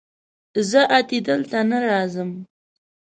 زه اتي دلته نه راځم